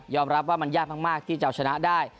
รับว่ามันยากมากที่จะเอาชนะได้